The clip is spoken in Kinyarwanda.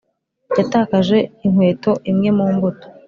yatakaje inkweto imwe mu mbuto,